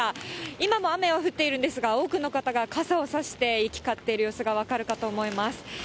今も雨は降っているんですが、多くの方が傘を差して、行き交っている様子が分かるかと思います。